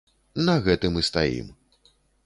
На гэтым і стаім.